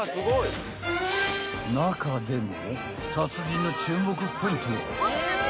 ［中でも］